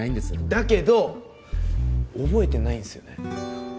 だけど覚えてないんすよね？